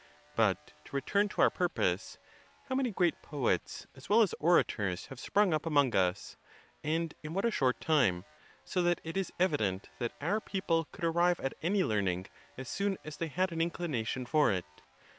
But to return to our purpose. How many great poets as well as orators have sprung up among us! and in what a short time! so that it is evident that our people could arrive at any learning as soon as they had an inclination for it.